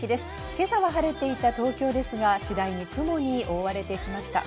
今朝は晴れていた東京ですが、次第に雲に覆われてきました。